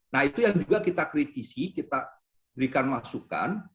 nah itu yang juga kita kritisi kita berikan masukan